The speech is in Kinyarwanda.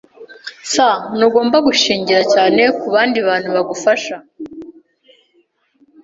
[S] Ntugomba gushingira cyane kubandi bantu bagufasha.